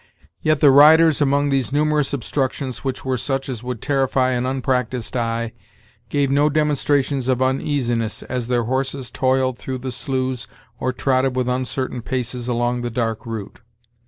Yet the riders among these numerous obstructions, which were such as would terrify an unpracticed eye, gave no demonstrations of uneasiness as their horses toiled through the sloughs or trotted with uncertain paces along the dark route.